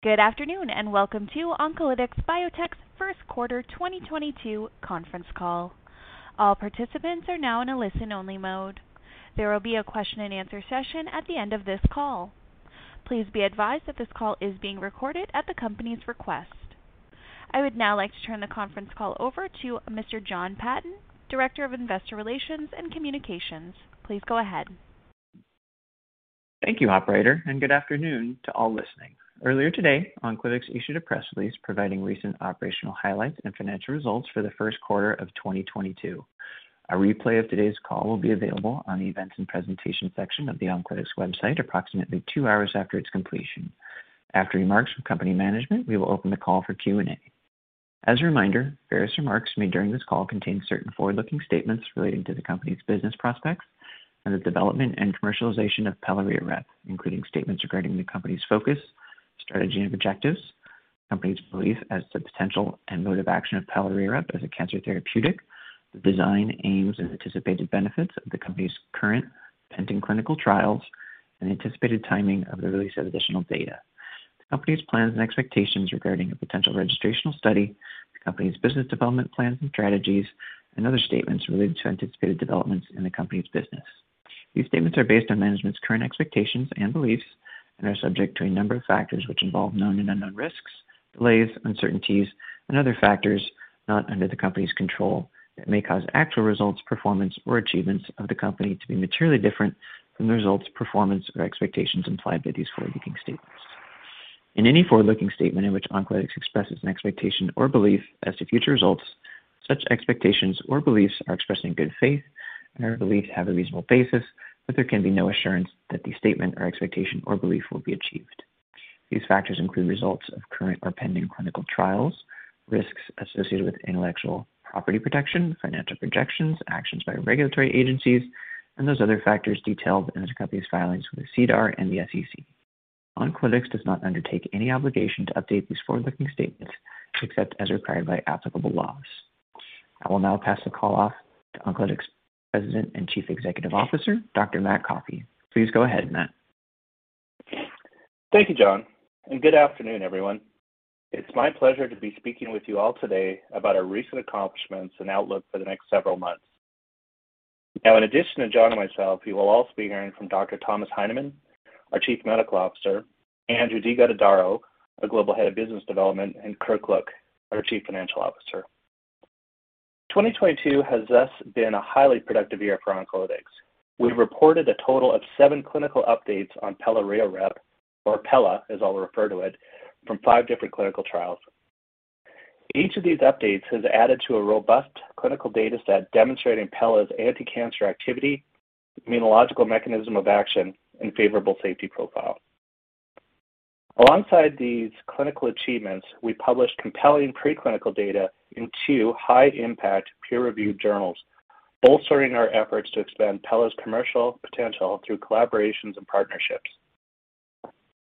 Good afternoon, and welcome to Oncolytics Biotech's First Quarter 2022 Conference Call. All participants are now in a listen-only mode. There will be a question and answer session at the end of this call. Please be advised that this call is being recorded at the company's request. I would now like to turn the conference call over to Mr. Jon Patton, Director of Investor Relations & Communication. Please go ahead. Thank you, operator, and good afternoon to all listening. Earlier today, Oncolytics issued a press release providing recent operational highlights and financial results for the first quarter of 2022. A replay of today's call will be available on the Events and Presentation section of the Oncolytics website approximately 2 hours after its completion. After remarks from company management, we will open the call for Q&A. As a reminder, various remarks made during this call contain certain forward-looking statements relating to the company's business prospects and the development and commercialization of pelareorep, including statements regarding the company's focus, strategy, and objectives, the company's belief in the potential and mode of action of pelareorep as a cancer therapeutic, the design, aims, and anticipated benefits of the company's current pending clinical trials, and anticipated timing of the release of additional data, the company's plans and expectations regarding a potential registrational study, the company's business development plans and strategies, and other statements related to anticipated developments in the company's business. These statements are based on management's current expectations and beliefs and are subject to a number of factors which involve known and unknown risks, delays, uncertainties, and other factors not under the company's control that may cause actual results, performance, or achievements of the company to be materially different from the results, performance, or expectations implied by these forward-looking statements. In any forward-looking statement in which Oncolytics expresses an expectation or belief as to future results, such expectations or beliefs are expressed in good faith and are believed to have a reasonable basis, but there can be no assurance that the statement or expectation or belief will be achieved. These factors include results of current or pending clinical trials, risks associated with intellectual property protection, financial projections, actions by regulatory agencies, and those other factors detailed in the company's filings with the SEDAR and the SEC. Oncolytics does not undertake any obligation to update these forward-looking statements except as required by applicable laws. I will now pass the call off to Oncolytics' President and Chief Executive Officer, Dr. Matt Coffey. Please go ahead, Matt. Thank you, Jon, and good afternoon, everyone. It's my pleasure to be speaking with you all today about our recent accomplishments and outlook for the next several months. Now, in addition to Jon and myself, you will also be hearing from Dr. Thomas Heineman, our Chief Medical Officer, Andrew de Guttadauro, the Global Head of Business Development, and Kirk Look, our Chief Financial Officer. 2022 has thus been a highly productive year for Oncolytics. We've reported a total of 7 clinical updates on pelareorep, or pela as I'll refer to it, from 5 different clinical trials. Each of these updates has added to a robust clinical data set demonstrating pela's anticancer activity, immunological mechanism of action, and favorable safety profile. Alongside these clinical achievements, we published compelling preclinical data in 2 high-impact peer-reviewed journals, bolstering our efforts to expand pella's commercial potential through collaborations and partnerships.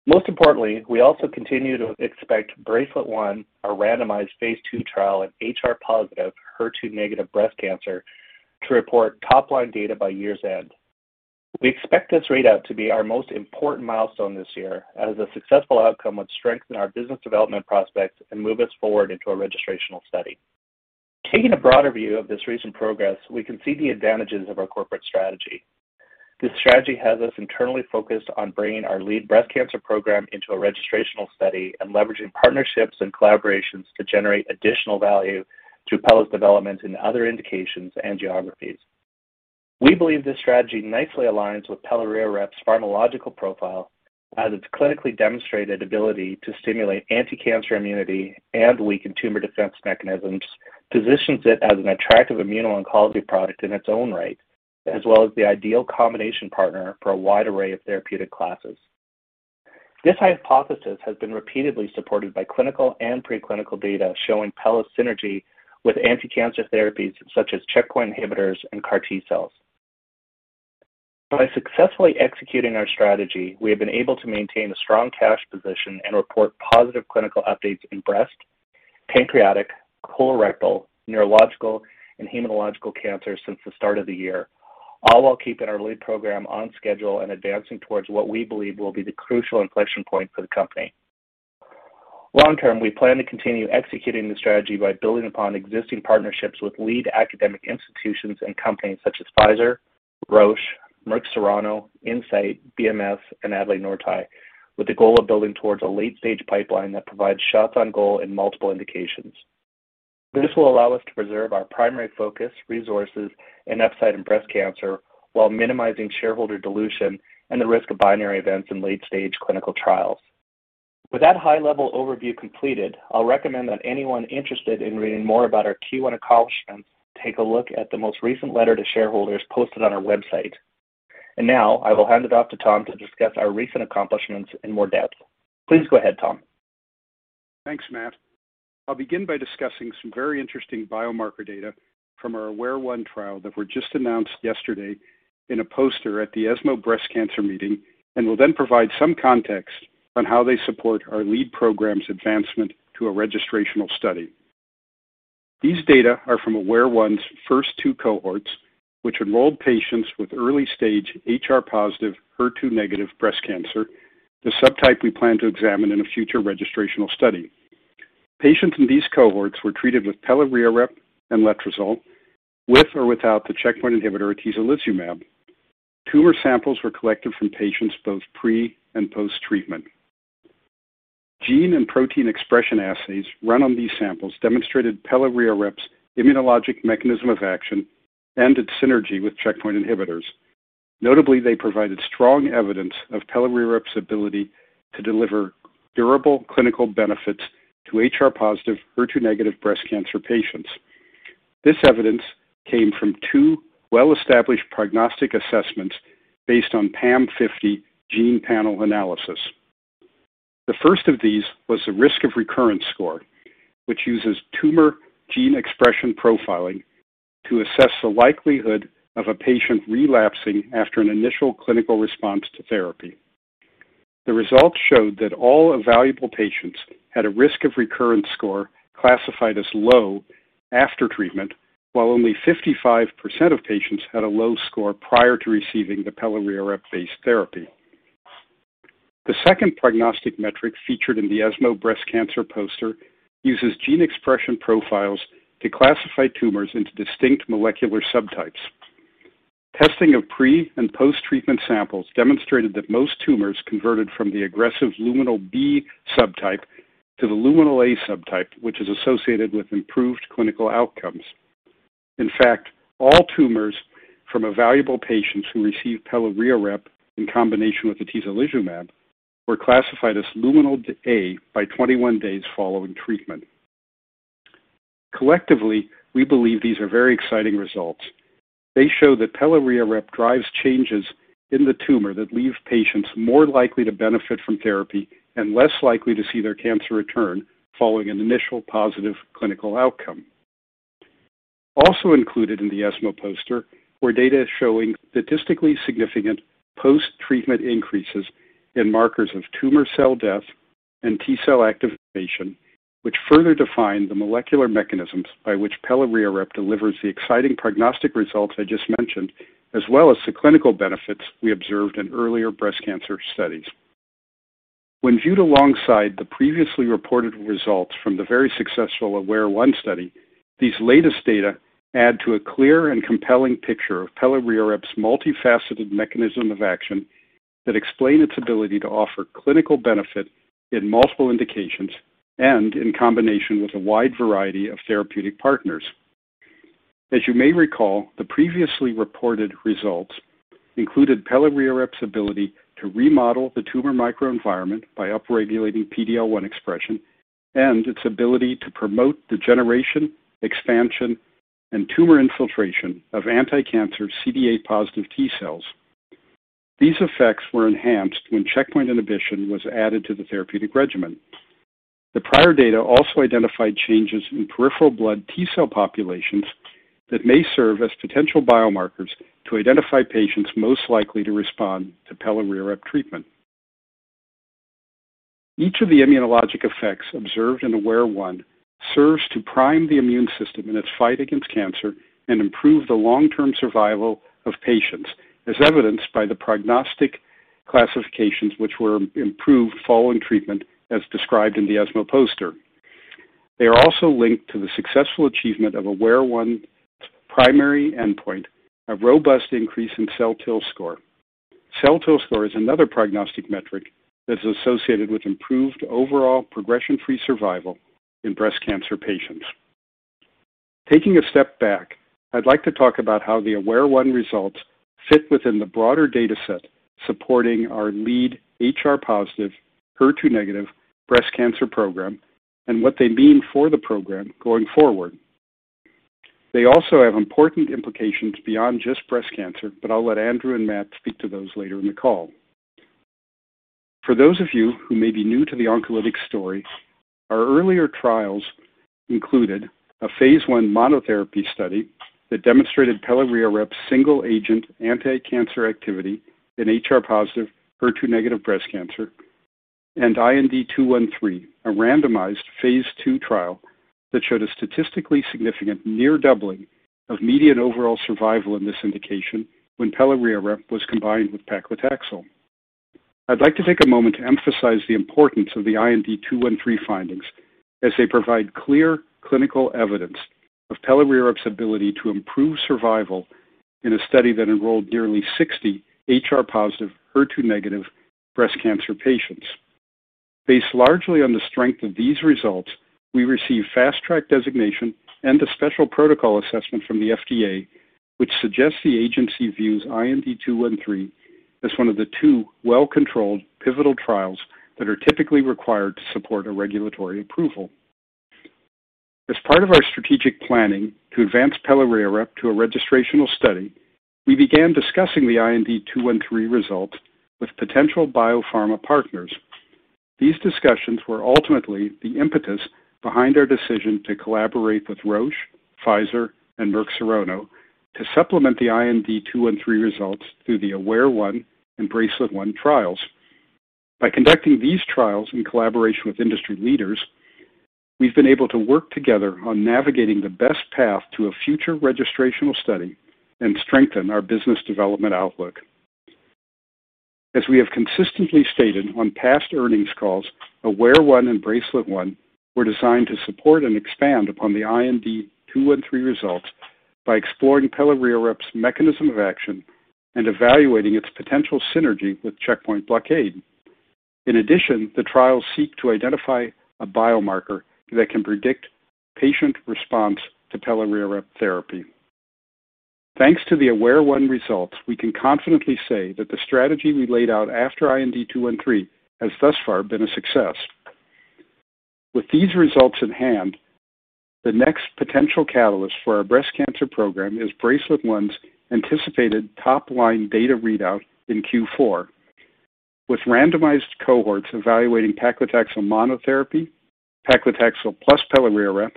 Most importantly, we also continue to expect BRACELET-1, a randomized phase 2 trial in HR+/HER2- breast cancer, to report top-line data by year's end. We expect this readout to be our most important milestone this year, as a successful outcome would strengthen our business development prospects and move us forward into a registrational study. Taking a broader view of this recent progress, we can see the advantages of our corporate strategy. This strategy has us internally focused on bringing our lead breast cancer program into a registrational study and leveraging partnerships and collaborations to generate additional value through pela's development in other indications and geographies. We believe this strategy nicely aligns with pelareorep's pharmacological profile, as its clinically demonstrated ability to stimulate anticancer immunity and weaken tumor defense mechanisms positions it as an attractive immuno-oncology product in its own right, as well as the ideal combination partner for a wide array of therapeutic classes. This hypothesis has been repeatedly supported by clinical and preclinical data showing pela synergy with anticancer therapies such as checkpoint inhibitors and CAR T-cells. By successfully executing our strategy, we have been able to maintain a strong cash position and report positive clinical updates in breast, pancreatic, colorectal, neurological, and hematological cancers since the start of the year, all while keeping our lead program on schedule and advancing towards what we believe will be the crucial inflection point for the company. Long term, we plan to continue executing the strategy by building upon existing partnerships with lead academic institutions and companies such as Pfizer, Roche, Merck Serono, Incyte, BMS, and Adlai Nortye, with the goal of building towards a late-stage pipeline that provides shots on goal in multiple indications. This will allow us to preserve our primary focus, resources, and upside in breast cancer while minimizing shareholder dilution and the risk of binary events in late-stage clinical trials. With that high-level overview completed, I'll recommend that anyone interested in reading more about our Q1 accomplishments take a look at the most recent letter to shareholders posted on our website. Now, I will hand it off to Tom to discuss our recent accomplishments in more depth. Please go ahead, Tom. Thanks, Matt. I'll begin by discussing some very interesting biomarker data from our AWARE-1 trial that were just announced yesterday in a poster at the ESMO Breast Cancer Meeting and will then provide some context on how they support our lead program's advancement to a registrational study. These data are from AWARE-1's first two cohorts, which enrolled patients with early-stage HR+/HER2- breast cancer, the subtype we plan to examine in a future registrational study. Patients in these cohorts were treated with pelareorep and letrozole with or without the checkpoint inhibitor atezolizumab. Tumor samples were collected from patients both pre and post-treatment. Gene and protein expression assays run on these samples demonstrated pelareorep's immunologic mechanism of action and its synergy with checkpoint inhibitors. Notably, they provided strong evidence of pelareorep's ability to deliver durable clinical benefits to HR+/HER2- breast cancer patients. This evidence came from two well-established prognostic assessments based on PAM50 gene panel analysis. The first of these was the risk of recurrence score, which uses tumor gene expression profiling to assess the likelihood of a patient relapsing after an initial clinical response to therapy. The results showed that all evaluable patients had a Risk of Recurrence Score classified as low after treatment, while only 55% of patients had a low score prior to receiving the pelareorep-based therapy. The second prognostic metric featured in the ESMO Breast Cancer poster uses gene expression profiles to classify tumors into distinct molecular subtypes. Testing of pre- and post-treatment samples demonstrated that most tumors converted from the aggressive luminal B subtype to the luminal A subtype, which is associated with improved clinical outcomes. In fact, all tumors from evaluable patients who received pelareorep in combination with atezolizumab were classified as luminal A by 21 days following treatment. Collectively, we believe these are very exciting results. They show that pelareorep drives changes in the tumor that leave patients more likely to benefit from therapy and less likely to see their cancer return following an initial positive clinical outcome. Also included in the ESMO poster were data showing statistically significant post-treatment increases in markers of tumor cell death and T cell activation, which further define the molecular mechanisms by which pelareorep delivers the exciting prognostic results I just mentioned, as well as the clinical benefits we observed in earlier breast cancer studies. When viewed alongside the previously reported results from the very successful AWARE-1 study, these latest data add to a clear and compelling picture of pelareorep's multifaceted mechanism of action that explain its ability to offer clinical benefit in multiple indications and in combination with a wide variety of therapeutic partners. As you may recall, the previously reported results included pelareorep's ability to remodel the tumor microenvironment by upregulating PD-L1 expression and its ability to promote the generation, expansion, and tumor infiltration of anticancer CD8 positive T cells. These effects were enhanced when checkpoint inhibition was added to the therapeutic regimen. The prior data also identified changes in peripheral blood T cell populations that may serve as potential biomarkers to identify patients most likely to respond to pelareorep treatment. Each of the immunologic effects observed in AWARE-1 serves to prime the immune system in its fight against cancer and improve the long-term survival of patients, as evidenced by the prognostic classifications which were improved following treatment, as described in the ESMO poster. They are also linked to the successful achievement of AWARE-1's primary endpoint, a robust increase in cell kill score. Cell kill score is another prognostic metric that's associated with improved overall progression-free survival in breast cancer patients. Taking a step back, I'd like to talk about how the AWARE-1 results fit within the broader data set supporting our lead HR+/HER2- Breast Cancer Program and what they mean for the program going forward. They also have important implications beyond just breast cancer, but I'll let Andrew and Matt speak to those later in the call. For those of you who may be new to the Oncolytics story, our earlier trials included a phase I monotherapy study that demonstrated pelareorep's single-agent anticancer activity in HR-positive, HER2-negative breast cancer and IND-213, a randomized phase II trial that showed a statistically significant near doubling of median overall survival in this indication when pelareorep was combined with paclitaxel. I'd like to take a moment to emphasize the importance of the IND-213 findings as they provide clear clinical evidence of pelareorep's ability to improve survival in a study that enrolled nearly 60 HR+/HER2- breast cancer patients. Based largely on the strength of these results, we received Fast Track designation and a Special Protocol Assessment from the FDA, which suggests the agency views IND-213 as one of the two well-controlled pivotal trials that are typically required to support a regulatory approval. As part of our strategic planning to advance pelareorep to a registrational study, we began discussing the IND-213 results with potential biopharma partners. These discussions were ultimately the impetus behind our decision to collaborate with Roche, Pfizer, and Merck Serono to supplement the IND-213 results through the AWARE-1 and BRACELET-1 trials. By conducting these trials in collaboration with industry leaders, we've been able to work together on navigating the best path to a future registrational study and strengthen our business development outlook. As we have consistently stated on past earnings calls, AWARE-1 and BRACELET-1 were designed to support and expand upon the IND-213 results by exploring pelareorep's mechanism of action and evaluating its potential synergy with checkpoint blockade. In addition, the trials seek to identify a biomarker that can predict patient response to pelareorep therapy. Thanks to the AWARE-1 results, we can confidently say that the strategy we laid out after IND-213 has thus far been a success. With these results in hand, the next potential catalyst for our breast cancer program is BRACELET-1's anticipated top-line data readout in Q4. With randomized cohorts evaluating paclitaxel monotherapy, paclitaxel plus pelareorep,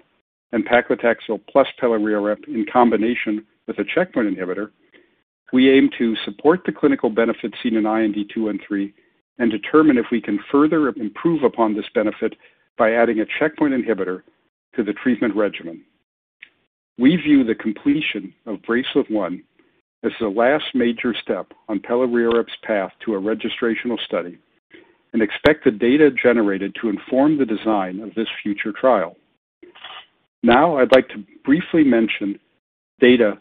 and paclitaxel plus pelareorep in combination with a checkpoint inhibitor, we aim to support the clinical benefit seen in IND-213 and determine if we can further improve upon this benefit by adding a checkpoint inhibitor to the treatment regimen. We view the completion of BRACELET-1 as the last major step on pelareorep's path to a registrational study and expect the data generated to inform the design of this future trial. Now, I'd like to briefly mention data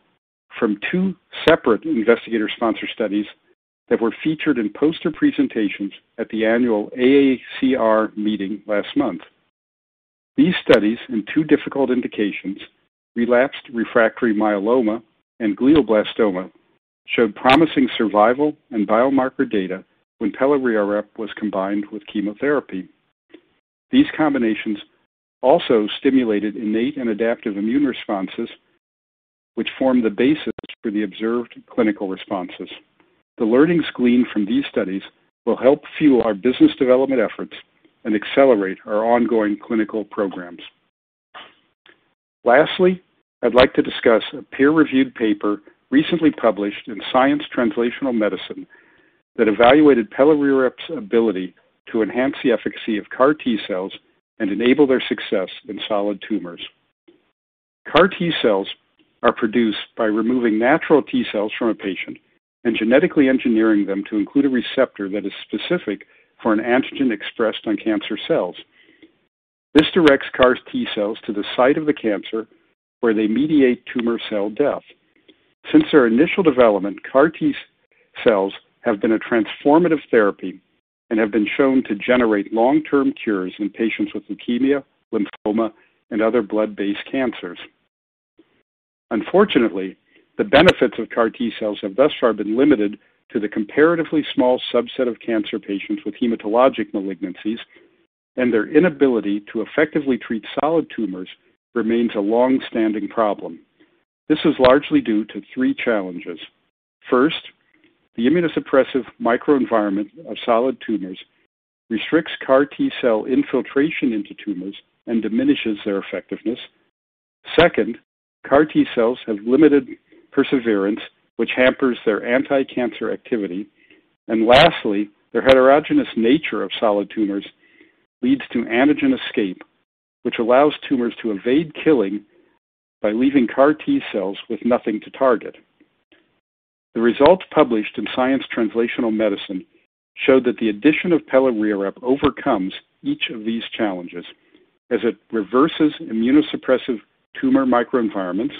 from two separate investigator-sponsored studies that were featured in poster presentations at the annual AACR meeting last month. These studies, in two difficult indications, relapsed refractory myeloma and glioblastoma, showed promising survival and biomarker data when pelareorep was combined with chemotherapy. These combinations also stimulated innate and adaptive immune responses which form the basis for the observed clinical responses. The learnings gleaned from these studies will help fuel our business development efforts and accelerate our ongoing clinical programs. Lastly, I'd like to discuss a peer-reviewed paper recently published in Science Translational Medicine that evaluated pelareorep's ability to enhance the efficacy of CAR T cells and enable their success in solid tumors. CAR T cells are produced by removing natural T cells from a patient and genetically engineering them to include a receptor that is specific for an antigen expressed on cancer cells. This directs CAR T cells to the site of the cancer, where they mediate tumor cell death. Since their initial development, CAR T cells have been a transformative therapy and have been shown to generate long-term cures in patients with leukemia, lymphoma, and other blood-based cancers. Unfortunately, the benefits of CAR T cells have thus far been limited to the comparatively small subset of cancer patients with hematologic malignancies, and their inability to effectively treat solid tumors remains a long-standing problem. This is largely due to three challenges. First, the immunosuppressive microenvironment of solid tumors restricts CAR T cell infiltration into tumors and diminishes their effectiveness. Second, CAR T cells have limited perseverance, which hampers their anticancer activity. Lastly, the heterogeneous nature of solid tumors leads to antigen escape, which allows tumors to evade killing by leaving CAR T cells with nothing to target. The results published in Science Translational Medicine showed that the addition of pelareorep overcomes each of these challenges as it reverses immunosuppressive tumor microenvironments,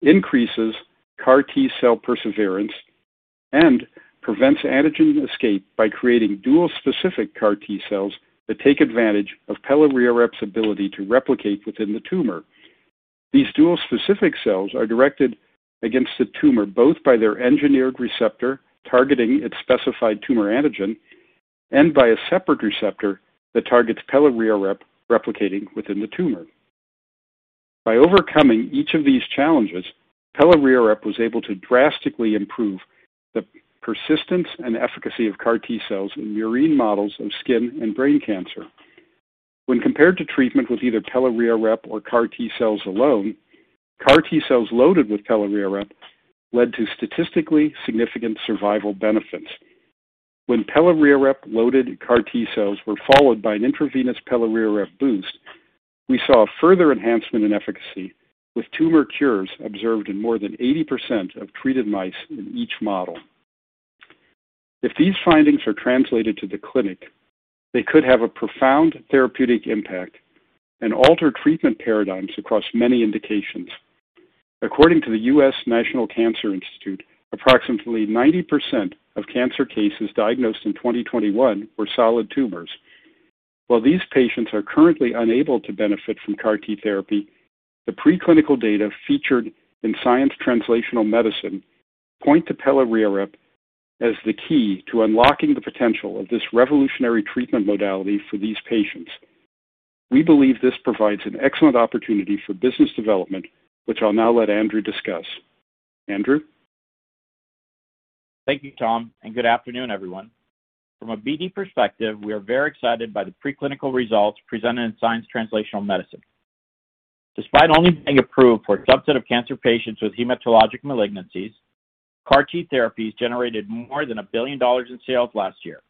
increases CAR T cell perseverance, and prevents antigen escape by creating dual-specific CAR T cells that take advantage of pelareorep's ability to replicate within the tumor. These dual-specific cells are directed against the tumor, both by their engineered receptor targeting its specified tumor antigen and by a separate receptor that targets pelareorep replicating within the tumor. By overcoming each of these challenges, pelareorep was able to drastically improve the persistence and efficacy of CAR T cells in murine models of skin and brain cancer. When compared to treatment with either pelareorep or CAR T cells alone, CAR T cells loaded with pelareorep led to statistically significant survival benefits. When pelareorep-loaded CAR T cells were followed by an intravenous pelareorep boost, we saw a further enhancement in efficacy, with tumor cures observed in more than 80% of treated mice in each model. If these findings are translated to the clinic, they could have a profound therapeutic impact and alter treatment paradigms across many indications. According to the U.S. National Cancer Institute, approximately 90% of cancer cases diagnosed in 2021 were solid tumors. While these patients are currently unable to benefit from CAR T therapy, the preclinical data featured in Science Translational Medicine point to pelareorep as the key to unlocking the potential of this revolutionary treatment modality for these patients. We believe this provides an excellent opportunity for business development, which I'll now let Andrew discuss. Andrew? Thank you, Tom, and good afternoon, everyone. From a BD perspective, we are very excited by the preclinical results presented in Science Translational Medicine. Despite only being approved for a subset of cancer patients with hematologic malignancies, CAR T therapies generated more than $1 billion in sales last year.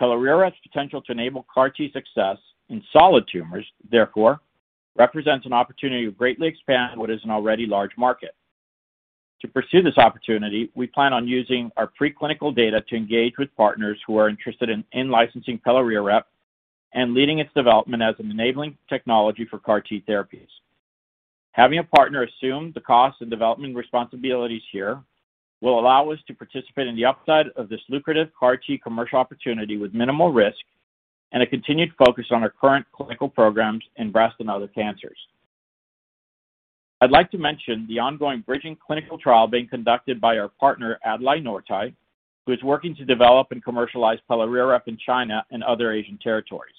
Pelareorep's potential to enable CAR T success in solid tumors, therefore, represents an opportunity to greatly expand what is an already large market. To pursue this opportunity, we plan on using our preclinical data to engage with partners who are interested in in-licensing pelareorep and leading its development as an enabling technology for CAR T therapies. Having a partner assume the cost and development responsibilities here will allow us to participate in the upside of this lucrative CAR T commercial opportunity with minimal risk and a continued focus on our current clinical programs in breast and other cancers. I'd like to mention the ongoing bridging clinical trial being conducted by our partner, Adlai Nortye, who is working to develop and commercialize pelareorep in China and other Asian territories.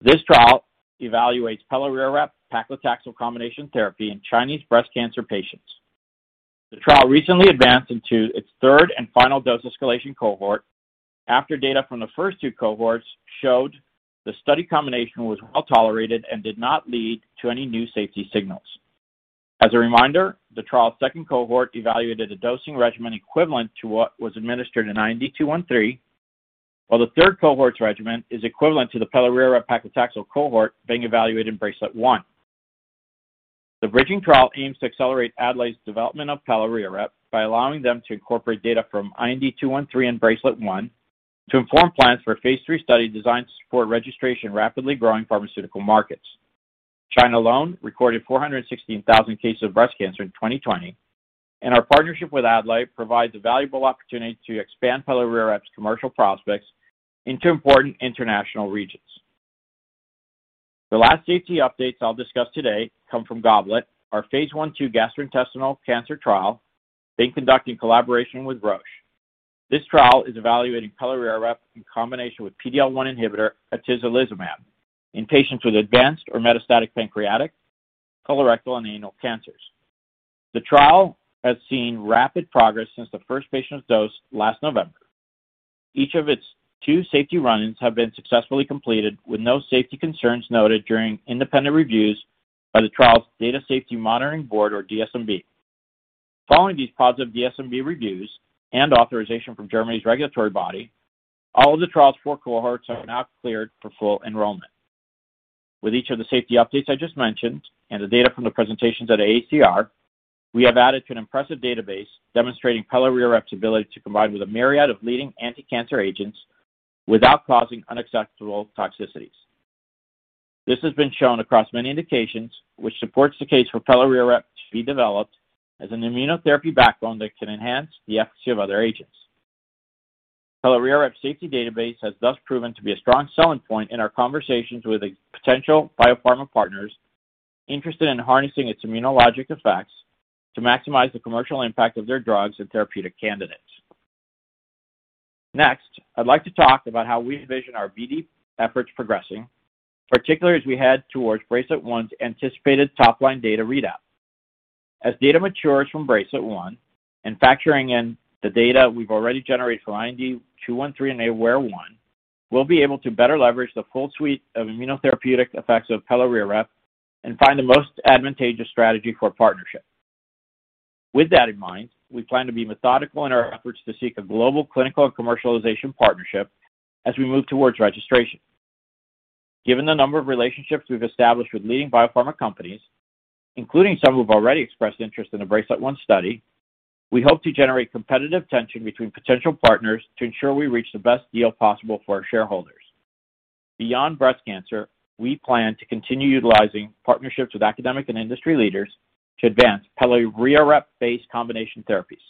This trial evaluates pelareorep paclitaxel combination therapy in Chinese breast cancer patients. The trial recently advanced into its third and final dose escalation cohort after data from the first two cohorts showed the study combination was well-tolerated and did not lead to any new safety signals. As a reminder, the trial's second cohort evaluated a dosing regimen equivalent to what was administered in IND-213, while the third cohort's regimen is equivalent to the pelareorep paclitaxel cohort being evaluated in BRACELET-1. The bridging trial aims to accelerate Adlai's development of pelareorep by allowing them to incorporate data from IND-213 and BRACELET-1 to inform plans for a phase 3 study designed to support registration in rapidly growing pharmaceutical markets. China alone recorded 416,000 cases of breast cancer in 2020. Our partnership with Adlai Nortye provides a valuable opportunity to expand pelareorep's commercial prospects into important international regions. The last safety updates I'll discuss today come from GOBLET, our phase 1/2 gastrointestinal cancer trial being conducted in collaboration with Roche. This trial is evaluating pelareorep in combination with PD-L1 inhibitor atezolizumab in patients with advanced or metastatic pancreatic, colorectal, and anal cancers. The trial has seen rapid progress since the first patient was dosed last November. Each of its two safety run-ins have been successfully completed with no safety concerns noted during independent reviews by the trial's Data Safety Monitoring Board or DSMB. Following these positive DSMB reviews and authorization from Germany's regulatory body, all of the trial's four cohorts are now cleared for full enrollment. With each of the safety updates I just mentioned and the data from the presentations at AACR, we have added to an impressive database demonstrating pelareorep's ability to combine with a myriad of leading anti-cancer agents without causing unacceptable toxicities. This has been shown across many indications, which supports the case for pelareorep to be developed as an immunotherapy backbone that can enhance the efficacy of other agents. Pelareorep's safety database has thus proven to be a strong selling point in our conversations with potential biopharma partners interested in harnessing its immunologic effects to maximize the commercial impact of their drugs and therapeutic candidates. Next, I'd like to talk about how we envision our BD efforts progressing, particularly as we head towards BRACELET-1's anticipated top-line data readout. As data matures from BRACELET-1 and factoring in the data we've already generated for IND-213 and AWARE-1, we'll be able to better leverage the full suite of immunotherapeutic effects of pelareorep and find the most advantageous strategy for partnership. With that in mind, we plan to be methodical in our efforts to seek a global clinical and commercialization partnership as we move towards registration. Given the number of relationships we've established with leading biopharma companies, including some who have already expressed interest in the BRACELET-1 study, we hope to generate competitive tension between potential partners to ensure we reach the best deal possible for our shareholders. Beyond breast cancer, we plan to continue utilizing partnerships with academic and industry leaders to advance pelareorep-based combination therapies.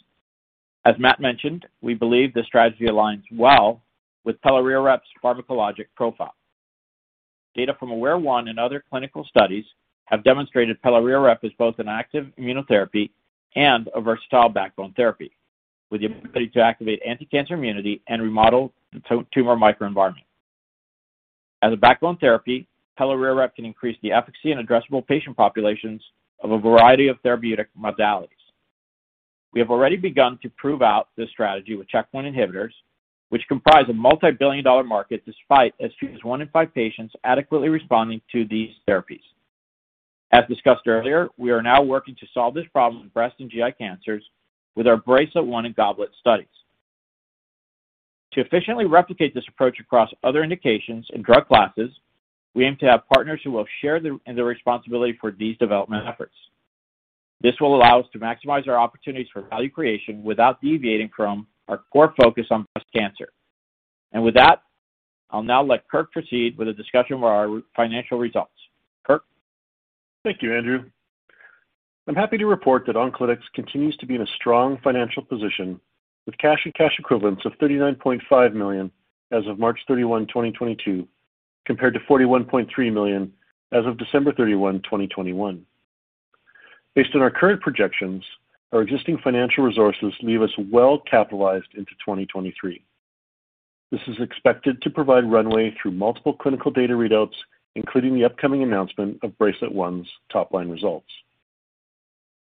As Matt mentioned, we believe this strategy aligns well with pelareorep's pharmacologic profile. Data from AWARE-1 and other clinical studies have demonstrated pelareorep as both an active immunotherapy and a versatile backbone therapy, with the ability to activate anti-cancer immunity and remodel tumor microenvironment. As a backbone therapy, pelareorep can increase the efficacy and addressable patient populations of a variety of therapeutic modalities. We have already begun to prove out this strategy with checkpoint inhibitors, which comprise a multi-billion dollar market despite as few as one in five patients adequately responding to these therapies. As discussed earlier, we are now working to solve this problem in breast and GI cancers with our BRACELET-1 and GOBLET studies. To efficiently replicate this approach across other indications and drug classes, we aim to have partners who will share in the responsibility for these development efforts. This will allow us to maximize our opportunities for value creation without deviating from our core focus on breast cancer. With that, I'll now let Kirk proceed with a discussion of our financial results. Kirk? Thank you, Andrew. I'm happy to report that Oncolytics continues to be in a strong financial position with cash and cash equivalents of 39.5 million as of March 31, 2022, compared to 41.3 million as of December 31, 2021. Based on our current projections, our existing financial resources leave us well-capitalized into 2023. This is expected to provide runway through multiple clinical data readouts, including the upcoming announcement of BRACELET-1's top-line results.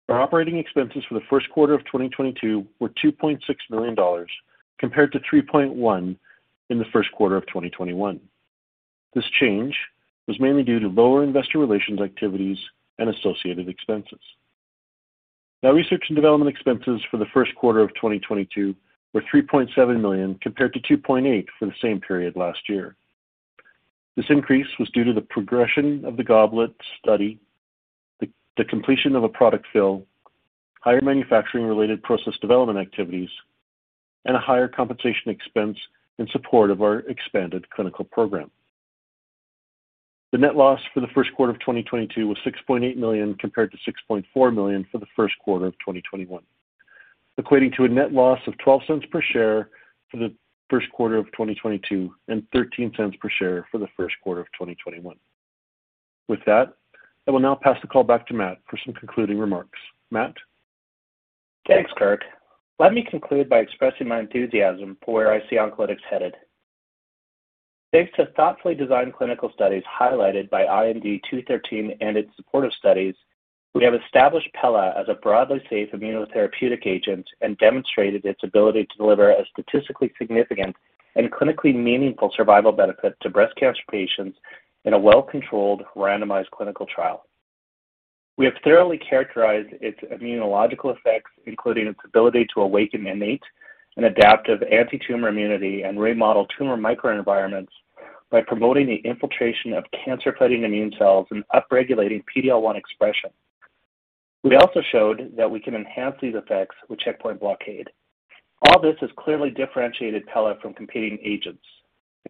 Our operating expenses for the first quarter of 2022 were 2.6 million dollars compared to 3.1 million in the first quarter of 2021. This change was mainly due to lower investor relations activities and associated expenses. Now, research and development expenses for the first quarter of 2022 were 3.7 million compared to 2.8 million for the same period last year. This increase was due to the progression of the GOBLET study, the completion of a product fill, higher manufacturing-related process development activities, and a higher compensation expense in support of our expanded clinical program. The net loss for the first quarter of 2022 was 6.8 million compared to 6.4 million for the first quarter of 2021, equating to a net loss of 0.12 per share for the first quarter of 2022 and 0.13 per share for the first quarter of 2021. With that, I will now pass the call back to Matt for some concluding remarks. Matt? Thanks, Kirk. Let me conclude by expressing my enthusiasm for where I see Oncolytics headed. Thanks to thoughtfully designed clinical studies highlighted by IND-213 and its supportive studies, we have established pela as a broadly safe immunotherapeutic agent and demonstrated its ability to deliver a statistically significant and clinically meaningful survival benefit to breast cancer patients in a well-controlled randomized clinical trial. We have thoroughly characterized its immunological effects, including its ability to awaken innate and adaptive antitumor immunity and remodel tumor microenvironments by promoting the infiltration of cancer-fighting immune cells and upregulating PD-L1 expression. We also showed that we can enhance these effects with checkpoint blockade. All this has clearly differentiated pela from competing agents.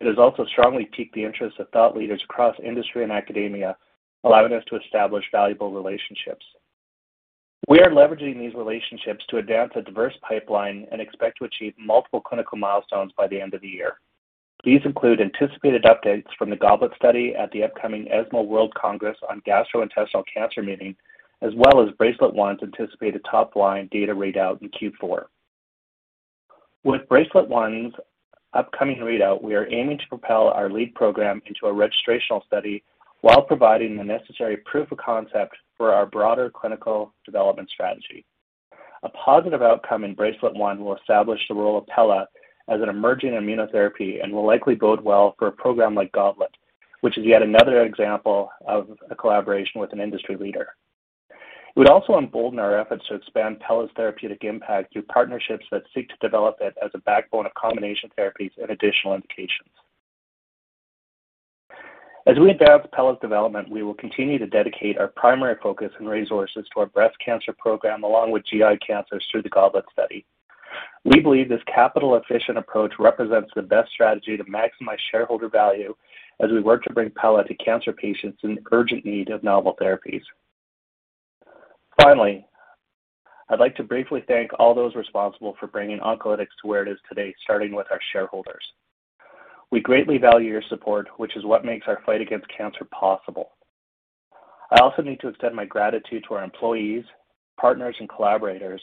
It has also strongly piqued the interest of thought leaders across industry and academia, allowing us to establish valuable relationships. We are leveraging these relationships to advance a diverse pipeline and expect to achieve multiple clinical milestones by the end of the year. These include anticipated updates from the GOBLET study at the upcoming ESMO World Congress on Gastrointestinal Cancer, as well as BRACELET-1's anticipated top-line data readout in Q4. With BRACELET-1's upcoming readout, we are aiming to propel our lead program into a registrational study while providing the necessary proof of concept for our broader clinical development strategy. A positive outcome in BRACELET-1 will establish the role of pela as an emerging immunotherapy and will likely bode well for a program like GOBLET, which is yet another example of a collaboration with an industry leader. It would also embolden our efforts to expand pela's therapeutic impact through partnerships that seek to develop it as a backbone of combination therapies and additional indications. As we advance pela's development, we will continue to dedicate our primary focus and resources to our breast cancer program along with GI cancers through the GOBLET study. We believe this capital-efficient approach represents the best strategy to maximize shareholder value as we work to bring pela to cancer patients in urgent need of novel therapies. Finally, I'd like to briefly thank all those responsible for bringing Oncolytics to where it is today, starting with our shareholders. We greatly value your support, which is what makes our fight against cancer possible. I also need to extend my gratitude to our employees, partners, and collaborators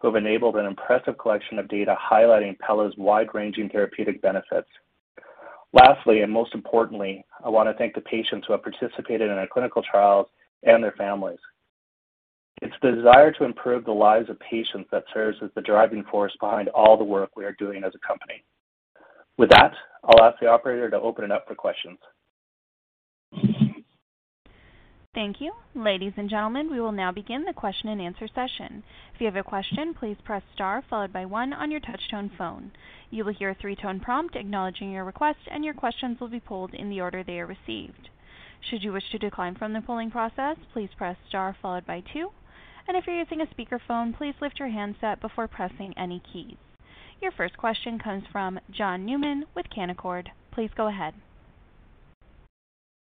who have enabled an impressive collection of data highlighting pela's wide-ranging therapeutic benefits. Lastly, and most importantly, I wanna thank the patients who have participated in our clinical trials and their families. It's the desire to improve the lives of patients that serves as the driving force behind all the work we are doing as a company. With that, I'll ask the operator to open it up for questions. Thank you. Ladies and gentlemen, we will now begin the question-and-answer session. If you have a question, please press star followed by one on your touchtone phone. You will hear a three-tone prompt acknowledging your request, and your questions will be pulled in the order they are received. Should you wish to decline from the polling process, please press star followed by two. If you're using a speakerphone, please lift your handset before pressing any keys. Your first question comes from John Newman with Canaccord. Please go ahead.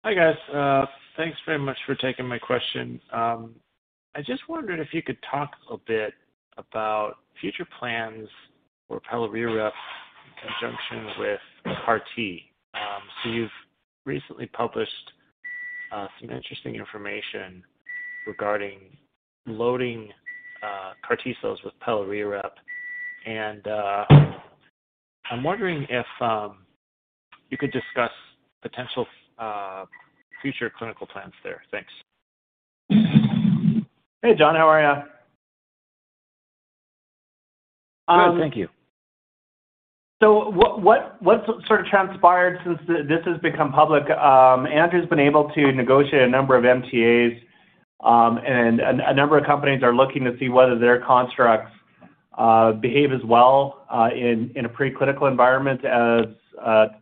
Hi, guys. Thanks very much for taking my question. I just wondered if you could talk a bit about future plans for pelareorep in conjunction with CAR T? You've recently published some interesting information regarding loading CAR T cells with pelareorep. I'm wondering if you could discuss potential future clinical plans there? Thanks. Hey, John. How are ya? Good. Thank you. What what's sort of transpired since this has become public, Andrew's been able to negotiate a number of MTAs, and a number of companies are looking to see whether their constructs behave as well in a preclinical environment as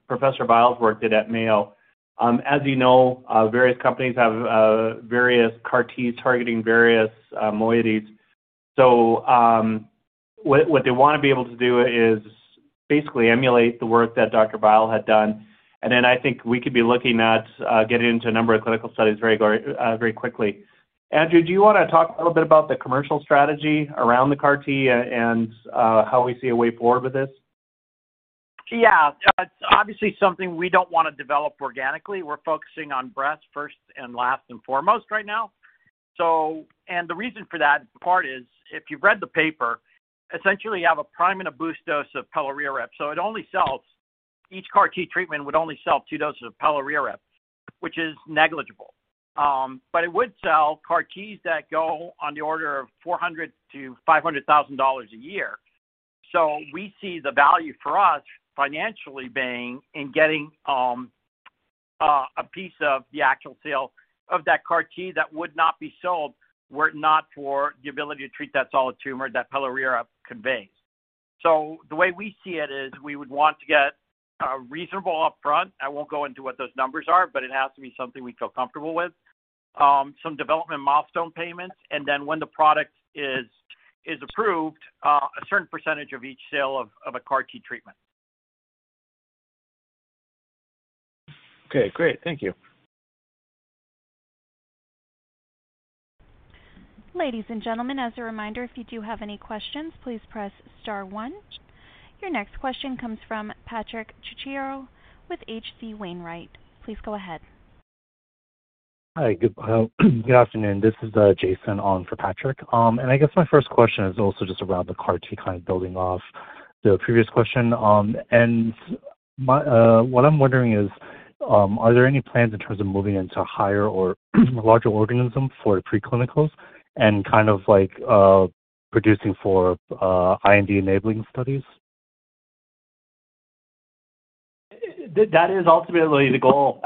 Professor Vile's work did at Mayo. As you know, various companies have various CAR Ts targeting various moieties. What they wanna be able to do is basically emulate the work that Dr. Vile had done, and then I think we could be looking at getting into a number of clinical studies very quickly. Andrew, do you wanna talk a little bit about the commercial strategy around the CAR T and how we see a way forward with this? Yeah. It's obviously something we don't wanna develop organically. We're focusing on breast first and last and foremost right now. The reason for that, part is, if you read the paper, essentially you have a prime and a boost dose of pelareorep. So it only sells, each CAR T treatment would only sell two doses of pelareorep, which is negligible. It would sell CAR T that go on the order of $400,000-$500,000 a year. We see the value for us financially being in getting a piece of the actual sale of that CAR T that would not be sold were it not for the ability to treat that solid tumor that pelareorep conveys. The way we see it is we would want to get a reasonable upfront. I won't go into what those numbers are, but it has to be something we feel comfortable with- some development milestone payments, and then when the product is approved, a certain percentage of each sale of a CAR T treatment. Okay, great. Thank you. Ladies and gentlemen, as a reminder, if you do have any questions, please press star one. Your next question comes from Patrick Trucchio with H.C. Wainwright. Please go ahead. Hi, good afternoon. This is Jason on for Patrick. I guess my first question is also just around the CAR T, kind of building off the previous question. What I'm wondering is, are there any plans in terms of moving into higher or larger organisms for preclinicals and kind of like, producing for, IND-enabling studies? That is ultimately the goal.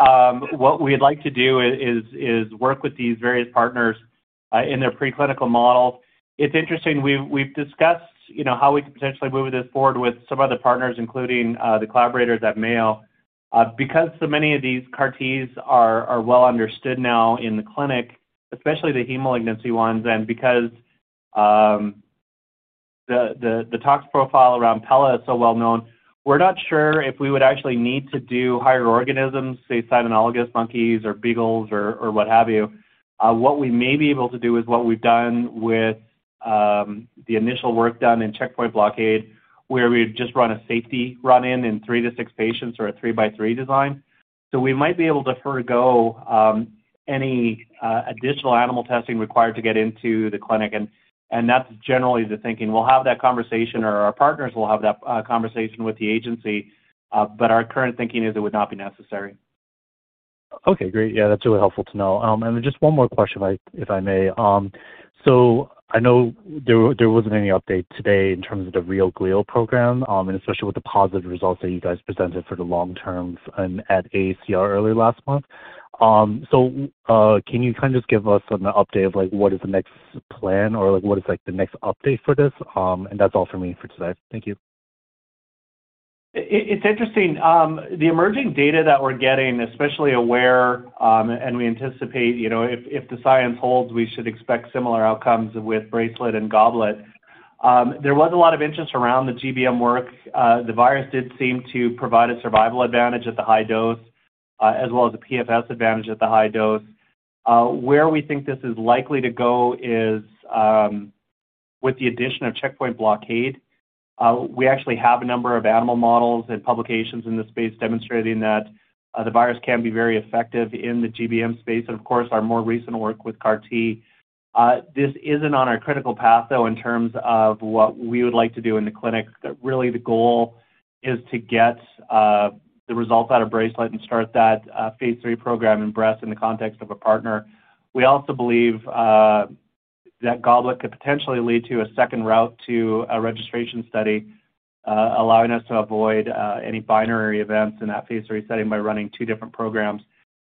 What we'd like to do is work with these various partners in their preclinical models. It's interesting, we've discussed, you know, how we could potentially move this forward with some other partners, including the collaborators at Mayo. Because so many of these CAR Ts are well understood now in the clinic, especially the hematologic malignancy ones, and because the tox profile around pela is so well-known, we're not sure if we would actually need to do higher organisms, say cynomolgus monkeys or beagles or what have you. What we may be able to do is what we've done with the initial work done in checkpoint blockade, where we just run a safety run-in in 3-6 patients or a three-by-three design. We might be able to forgo any additional animal testing required to get into the clinic and that's generally the thinking. We'll have that conversation or our partners will have that conversation with the agency, but our current thinking is it would not be necessary. Okay, great. Yeah, that's really helpful to know. Just one more question, if I may. I know there wasn't any update today in terms of the ReoGlio program, and especially with the positive results that you guys presented for the long term and at AACR earlier last month. Can you kind of just give us an update of, like, what is the next plan or, like, what is, like, the next update for this? That's all for me for today. Thank you. It's interesting. The emerging data that we're getting, especially AWARE-1, and we anticipate, you know, if the science holds, we should expect similar outcomes with BRACELET-1 and GOBLET. There was a lot of interest around the GBM work. The virus did seem to provide a survival advantage at the high dose, as well as a PFS advantage at the high dose. Where we think this is likely to go is with the addition of checkpoint blockade. We actually have a number of animal models and publications in this space demonstrating that the virus can be very effective in the GBM space and, of course, our more recent work with CAR T. This isn't on our critical path, though, in terms of what we would like to do in the clinic. Really, the goal is to get the results out of BRACELET-1 and start that phase 3 program in breast in the context of a partner. We also believe that GOBLET could potentially lead to a second route to a registration study allowing us to avoid any binary events in that phase 3 setting by running two different programs.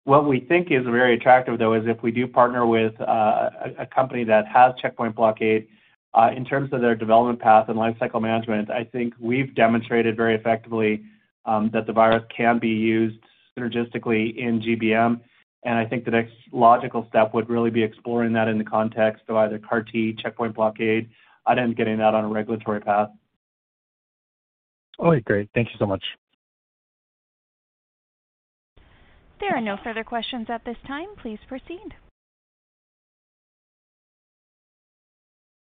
What we think is very attractive, though, is if we do partner with a company that has checkpoint blockade in terms of their development path and lifecycle management. I think we've demonstrated very effectively that the virus can be used synergistically in GBM. I think the next logical step would really be exploring that in the context of either CAR T, checkpoint blockade, and then getting that on a regulatory path. Okay, great. Thank you so much. There are no further questions at this time. Please proceed.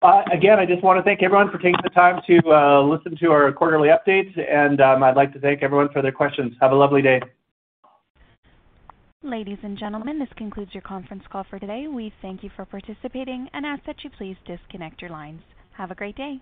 Again, I just wanna thank everyone for taking the time to listen to our quarterly updates, and I'd like to thank everyone for their questions. Have a lovely day. Ladies and gentlemen, this concludes your conference call for today. We thank you for participating and ask that you please disconnect your lines. Have a great day.